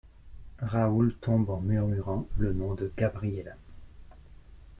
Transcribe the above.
Raoul tombe en murmurant le nom de Gabriella.